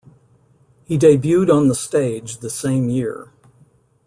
He debuted on the stage the same year.